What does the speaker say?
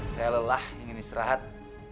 saya lelah ingin istirahat